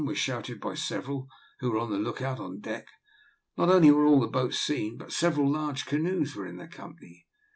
was shouted by several who were on the lookout on deck. Not only were all the boats seen, but several large canoes were in their company.